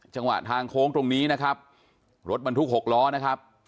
จังหวะทางโค้งตรงนี้นะครับรถบรรทุก๖ล้อนะครับ